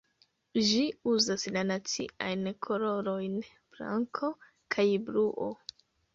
Ĝi uzas la naciajn kolorojn blanko kaj bluo.